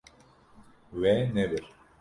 We nebir.